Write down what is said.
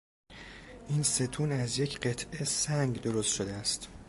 این ستون از یک قطعه سنگ درست شده است.